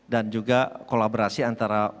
dan juga kolaborasi antara